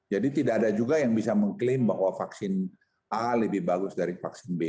jadi tidak ada juga yang bisa mengklaim bahwa vaksin a lebih bagus dari vaksin b